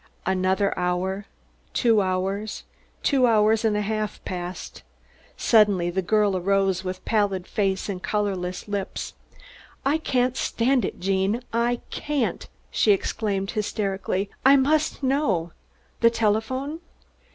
Another hour two hours two hours and a half passed. Suddenly the girl arose with pallid face and colorless lips. "I can't stand it, Gene, I can't!" she exclaimed hysterically. "I must know. The telephone?"